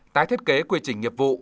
tái thiết kế quy trình nghiệp vụ